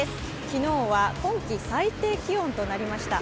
昨日は今季最低気温となりました。